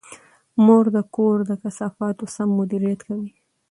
مور د کور د کثافاتو سم مدیریت کوي.